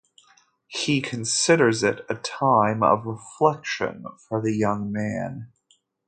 He considers it a time of reflection for the young man.